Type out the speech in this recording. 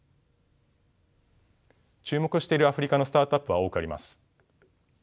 注目しているアフリカのスタートアップは多くあります。